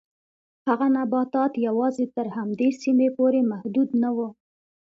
هغه نباتات یوازې تر همدې سیمې پورې محدود نه و.